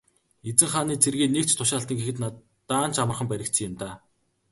Эзэн хааны цэргийн нэг тушаалтан гэхэд даанч амархан баригдсан юм даа.